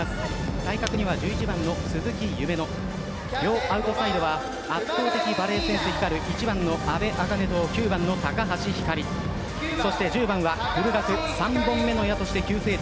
対角には２１番の鈴木夢乃両アウトサイドは圧倒的バレー成績が光る１番の阿部明音と９番の高橋陽果里１０番は古学３本目の矢として急成長。